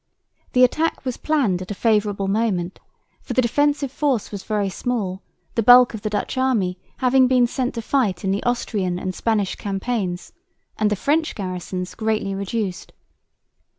The attack was planned at a favourable moment, for the defensive force was very small, the bulk of the Dutch army having been sent to fight in the Austrian and Spanish campaigns, and the French garrisons greatly reduced.